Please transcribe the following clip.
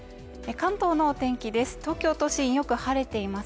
関東の天気です